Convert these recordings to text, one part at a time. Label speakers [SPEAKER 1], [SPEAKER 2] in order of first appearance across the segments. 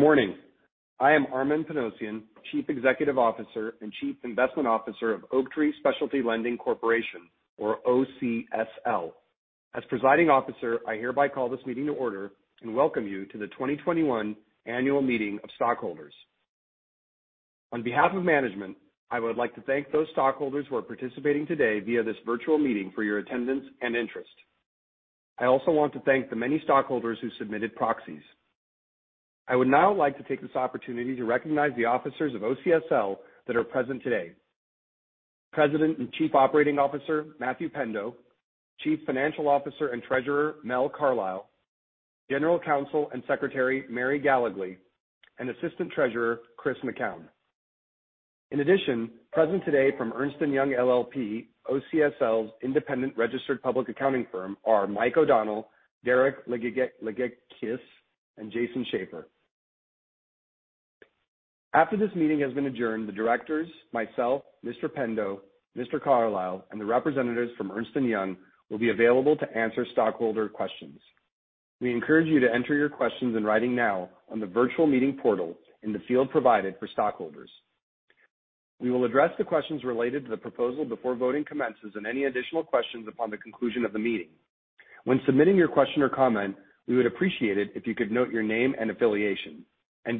[SPEAKER 1] Good morning. I am Armen Panossian, Chief Executive Officer and Chief Investment Officer of Oaktree Specialty Lending Corporation, or OCSL. As presiding officer, I hereby call this meeting to order and welcome you to the 2021 annual meeting of stockholders. On behalf of management, I would like to thank those stockholders who are participating today via this virtual meeting for your attendance and interest. I also want to thank the many stockholders who submitted proxies. I would now like to take this opportunity to recognize the officers of OCSL that are present today. President and Chief Operating Officer, Matt Pendo, Chief Financial Officer and Treasurer, Mel Carlisle, General Counsel and Secretary, Mary Gallegly, and Assistant Treasurer, Chris McKown. In addition, present today from Ernst & Young LLP, OCSL's independent registered public accounting firm are Mike O'Donnell, Derek Ligeikis, and Jason Schaefer. After this meeting has been adjourned, the directors, myself, Mr. Pendo, Mr. Carlisle, and the representatives from Ernst & Young will be available to answer stockholder questions. We encourage you to enter your questions in writing now on the virtual meeting portal in the field provided for stockholders. We will address the questions related to the proposal before voting commences and any additional questions upon the conclusion of the meeting. When submitting your question or comment, we would appreciate it if you could note your name and affiliation and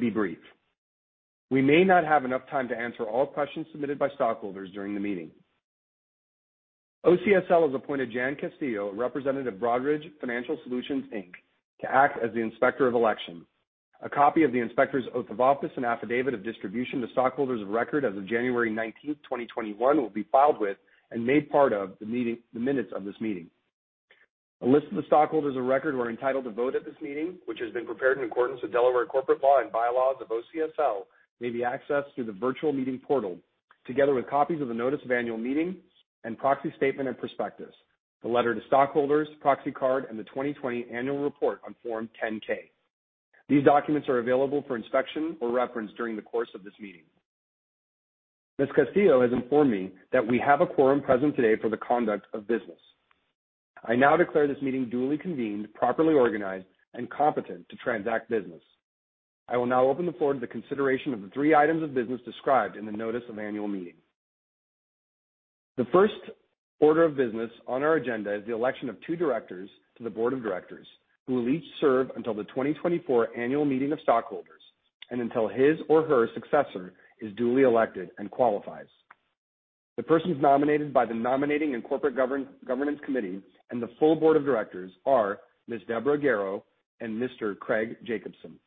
[SPEAKER 1] be brief. We may not have enough time to answer all questions submitted by stockholders during the meeting. OCSL has appointed Jan Castillo, a representative of Broadridge Financial Solutions, Inc., to act as the Inspector of Election. A copy of the Inspector's Oath of Office and Affidavit of Distribution to stockholders of record as of January 19th, 2021, will be filed with and made part of the minutes of this meeting. A list of the stockholders of record who are entitled to vote at this meeting, which has been prepared in accordance with Delaware corporate law and bylaws of OCSL, may be accessed through the virtual meeting portal, together with copies of the notice of annual meeting and proxy statement and prospectus, the letter to stockholders, proxy card, and the 2020 annual report on Form 10-K. These documents are available for inspection or reference during the course of this meeting. Ms. Castillo has informed me that we have a quorum present today for the conduct of business. I now declare this meeting duly convened, properly organized, and competent to transact business. I will now open the floor to the consideration of the three items of business described in the notice of annual meeting. The first order of business on our agenda is the election of two directors to the board of directors, who will each serve until the 2024 annual meeting of stockholders and until his or her successor is duly elected and qualifies. The persons nominated by the nominating and corporate governance committee and the full board of directors are Ms. Deborah Gero and Mr. Craig Jacobson.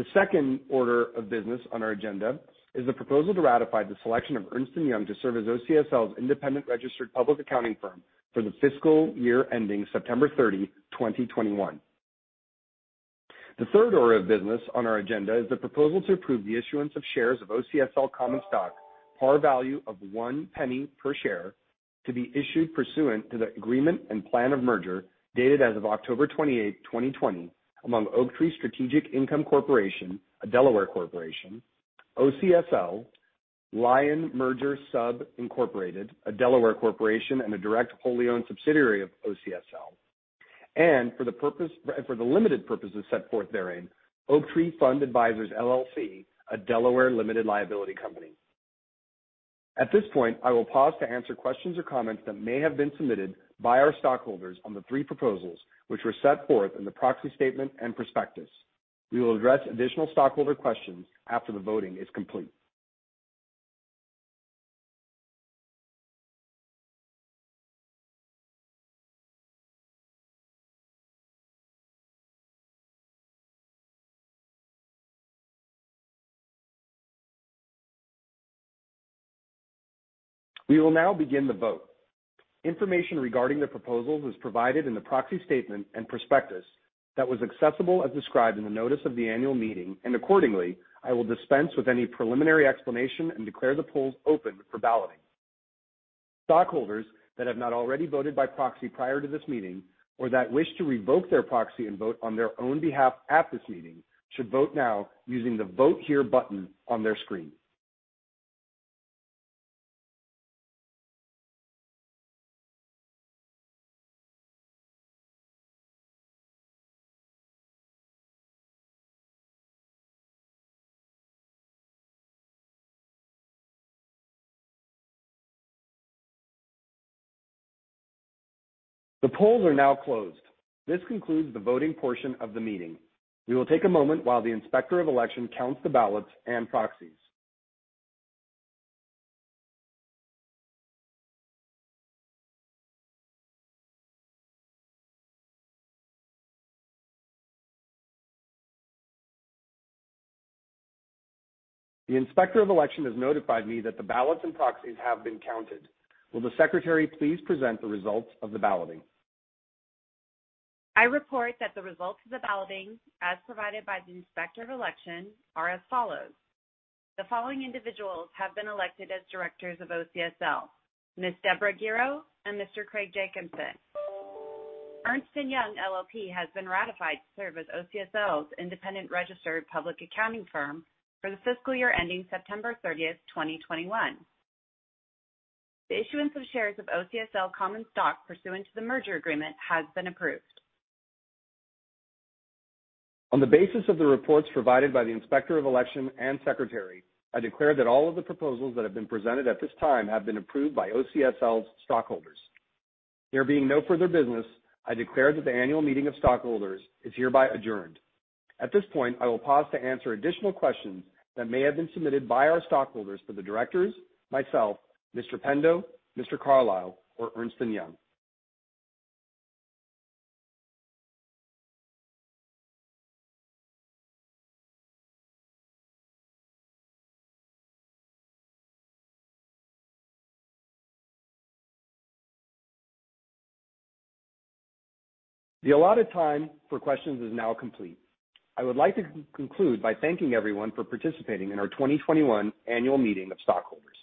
[SPEAKER 1] The second order of business on our agenda is the proposal to ratify the selection of Ernst & Young to serve as OCSL's independent registered public accounting firm for the fiscal year ending September 30, 2021. The third order of business on our agenda is the proposal to approve the issuance of shares of OCSL common stock, par value of $0.01 per share, to be issued pursuant to the agreement and plan of merger dated as of October 28, 2020, among Oaktree Strategic Income Corporation, a Delaware corporation, OCSL, Lion Merger Sub, Inc., a Delaware corporation, and a direct wholly-owned subsidiary of OCSL. For the limited purposes set forth therein, Oaktree Fund Advisors, LLC, a Delaware limited liability company. At this point, I will pause to answer questions or comments that may have been submitted by our stockholders on the three proposals, which were set forth in the proxy statement and prospectus. We will address additional stockholder questions after the voting is complete. We will now begin the vote. Information regarding the proposals is provided in the proxy statement and prospectus that was accessible as described in the notice of the annual meeting, and accordingly, I will dispense with any preliminary explanation and declare the polls open for balloting. Stockholders that have not already voted by proxy prior to this meeting or that wish to revoke their proxy and vote on their own behalf at this meeting should vote now using the Vote Here button on their screen. The polls are now closed. This concludes the voting portion of the meeting. We will take a moment while the Inspector of Election counts the ballots and proxies. The Inspector of Election has notified me that the ballots and proxies have been counted. Will the secretary please present the results of the balloting?
[SPEAKER 2] I report that the results of the balloting, as provided by the Inspector of Election, are as follows. The following individuals have been elected as directors of OCSL, Ms. Deborah Gero and Mr. Craig Jacobson. Ernst & Young LLP has been ratified to serve as OCSL's independent registered public accounting firm for the fiscal year ending September 30th, 2021. The issuance of shares of OCSL common stock pursuant to the merger agreement has been approved.
[SPEAKER 1] On the basis of the reports provided by the Inspector of Election and Secretary, I declare that all of the proposals that have been presented at this time have been approved by OCSL's stockholders. There being no further business, I declare that the annual meeting of stockholders is hereby adjourned. At this point, I will pause to answer additional questions that may have been submitted by our stockholders to the directors, myself, Mr. Pendo, Mr. Carlisle, or Ernst & Young. The allotted time for questions is now complete. I would like to conclude by thanking everyone for participating in our 2021 annual meeting of stockholders.